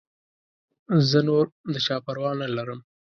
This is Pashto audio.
زه نور د چا پروا نه لرم.